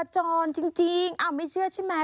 จรจริงไม่เชื่อใช่ไหม